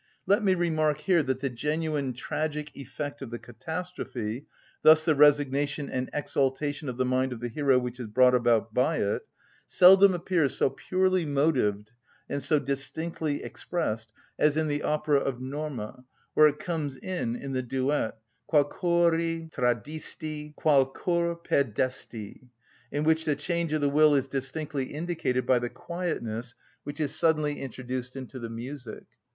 Let me remark here that the genuine tragic effect of the catastrophe, thus the resignation and exaltation of the mind of the hero which is brought about by it, seldom appears so purely motived and so distinctly expressed as in the opera of "Norma," where it comes in in the duet, "Qual cor tradisti, qual cor perdesti," in which the change of the will is distinctly indicated by the quietness which is suddenly introduced into the music.